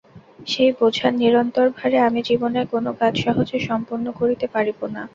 সেই বোঝার নিরন্তর ভারে আমি জীবনের কোনো কাজ সহজে সম্পন্ন করিতে পারিব না।